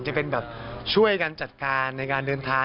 จะเป็นแบบช่วยกันจัดการในการเดินทาง